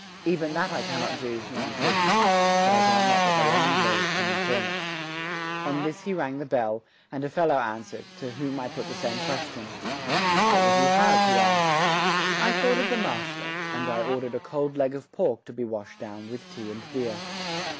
"Even that I cannot do," he answered; "but I doubt not that the landlord can inform us." On this he rang the bell, and a fellow answered, to whom I put the same question. "What would you have?" he asked. I thought of the master, and I ordered a cold leg of pork to be washed down with tea and beer.